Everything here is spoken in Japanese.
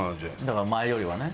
だから前よりはね。